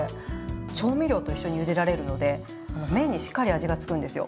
調味料と一緒にゆでられるので麺にしっかり味がつくんですよ。